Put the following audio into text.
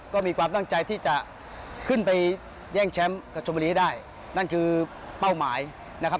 ก็มีความตั้งใจที่จะขึ้นไปแย่งแชมป์กับชมบุรีให้ได้นั่นคือเป้าหมายนะครับ